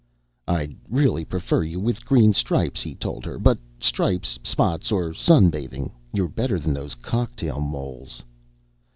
"I'd really prefer you with green stripes," he told her. "But stripes, spots, or sun bathing, you're better than those cocktail moles."